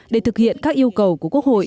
để thực hiện các yêu cầu của quốc hội